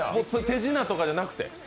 手品とかじゃなくて？